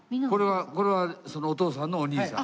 これはお父さんのお兄さん。